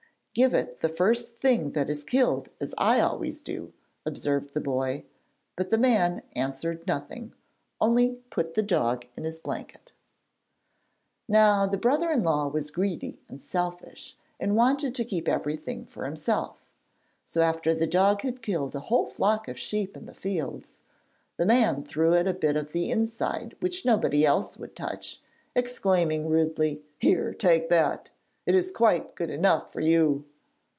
'Give it the first thing that is killed as I always do,' observed the boy, but the man answered nothing, only put the dog in his blanket. Now the brother in law was greedy and selfish and wanted to keep everything for himself; so after the dog had killed a whole flock of sheep in the fields, the man threw it a bit of the inside which nobody else would touch, exclaiming rudely: 'Here, take that! It is quite good enough for you.'